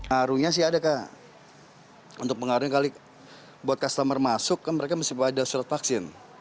ngaruhnya sih ada kak untuk pengaruhnya kali buat customer masuk kan mereka mesti bawa ada surat vaksin